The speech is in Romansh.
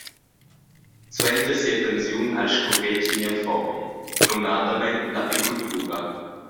Suenter sia pensiun ha el scuvretg in niev hobi, numnadamein l’apicultura.